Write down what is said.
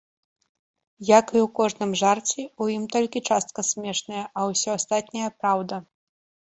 І як у кожным жарце, у ім толькі частка смешная, а ўсё астатняе праўда.